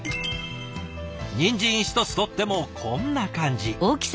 にんじん１つとってもこんな感じ。